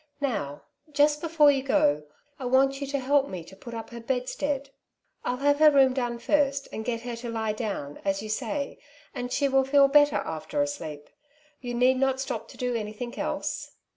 " Now, just before you go, I want you to help me to put up her bedstead. " I'll have her room done first, and get her to lie down, as you bay, and she will feel better after a sleep. You need not stop to do anything else."